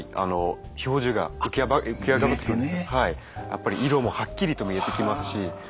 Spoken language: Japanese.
やっぱり色もはっきりと見えてきますし。